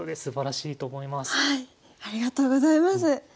ありがとうございます。